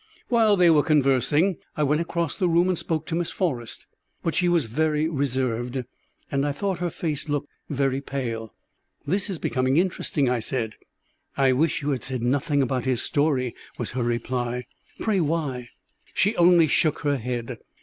While they were conversing I went across the room and spoke to Miss Forrest; but she was very reserved, and I thought her face looked very pale. "This is becoming interesting," I said. "I wish you had said nothing about his story," was her reply. "Pray why?" She only shook her head.